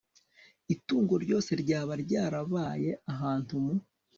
itungo ryose ryaba ryarabaye ahantu mu